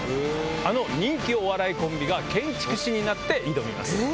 あの人気お笑いコンビが建築士になって挑みます。